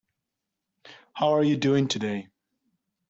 How are you doing today?